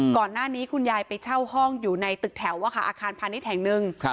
ก่อนหน้านี้คุณยายไปเช่าห้องอยู่ในตึกแถวอาคารพาณิชย์แห่งหนึ่ง